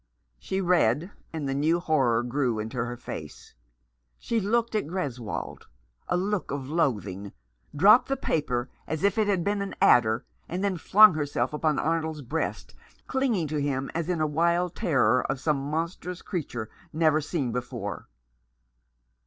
She read, and the new horror grew into her face. She looked at Greswold — a look of loathing — dropped the paper as if it had been an adder, and then flung herself upon Arnold's breast, clinging 383 Rough Justice. to him as in a wild terror of some monstrous creature never seen before.